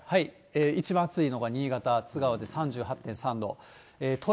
一番暑いのが新潟・津川で３８．３度。